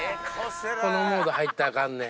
このモード入ったらあかんねん。